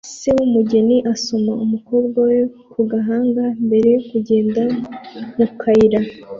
Se w'Umugeni asoma umukobwa we ku gahanga mbere yo kugenda mu kayira